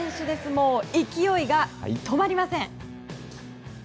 もう勢いが止まりません。